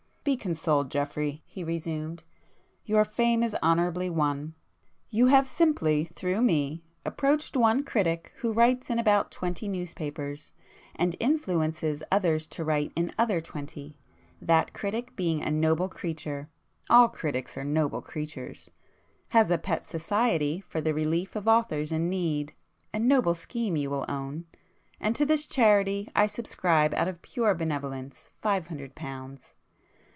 "Be consoled, Geoffrey," he resumed—"your fame is honourably won. You have simply, through me, approached one critic who writes in about twenty newspapers and influences others to write in other twenty,—that critic being a noble creature, (all critics are noble creatures) has a pet 'society' for the relief [p 187] of authors in need (a noble scheme you will own) and to this charity I subscribe out of pure benevolence, five hundred pounds.